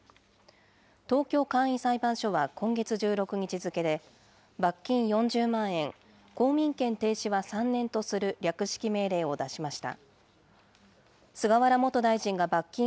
東京簡易裁判所は今月１６日付けで、罰金４０万円、公民権停止は３年とする略式命令を出しました。